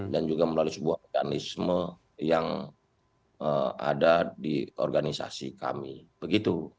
dan juga melalui sebuah mekanisme yang ada di organisasi kami begitu